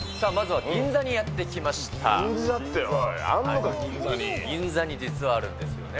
銀座って、銀座に実はあるんですよね。